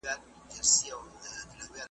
نصیب مي بیا پر هغه لاره آزمېیلی نه دی .